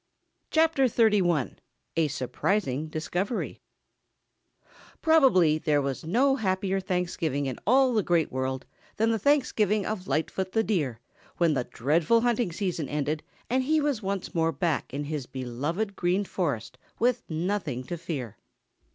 CHAPTER XXXI A SURPRISING DISCOVERY Probably there was no happier Thanksgiving in all the Great World than the Thanksgiving of Lightfoot the Deer, when the dreadful hunting season ended and he was once more back in his beloved Green Forest with nothing to fear.